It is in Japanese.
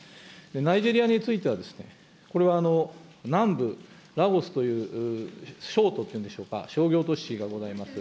ナイジェリアについては、これは南部ラオスという商都というんでしょうか、商業都市がございます。